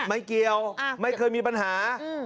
ไม่เกี่ยวอ่าไม่เคยมีปัญหาอืม